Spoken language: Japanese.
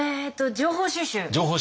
情報収集。